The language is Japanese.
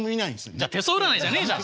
じゃ手相占いじゃねえじゃん。